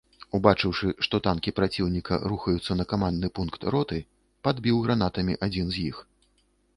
Убачыўшы, што танкі праціўніка рухаюцца на камандны пункт роты, падбіў гранатамі адзін з іх.